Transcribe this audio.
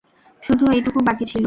শুধু এইটুকু বাকি ছিল।